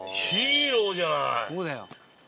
そうだよ。